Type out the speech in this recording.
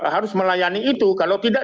harus melayani itu kalau tidak